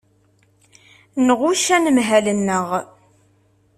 Nɣucc anemhal-nneɣ.